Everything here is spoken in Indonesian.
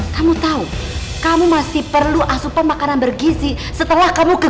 kamu tahu kamu masih perlu asupan makanan bergizi setelah kamu ke